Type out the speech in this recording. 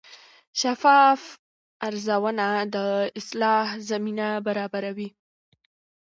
شفاف ارزونه د اصلاح زمینه برابروي.